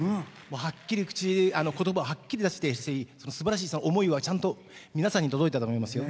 はっきり口、言葉をはっきり出してすばらしい思いは、ちゃんと皆さんに届いたと思いますよ。